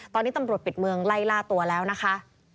ตอนนี้ตำรวจปิดเมืองไล่ล่าตัวแล้วนะคะ